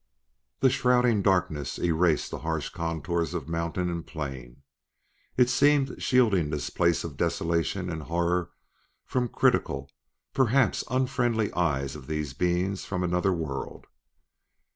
The shrouding darkness erased the harsh contours of mountain and plain; it seemed shielding this place of desolation and horror from critical, perhaps unfriendly eyes of these beings from another world.